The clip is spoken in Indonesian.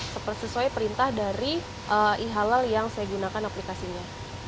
sesuai perintah dari ehalal yang saya gunakan aplikasinya